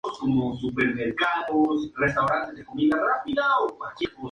Basada mayoritariamente en la agricultura y ganadería destacan el cultivo de cereales y almendra.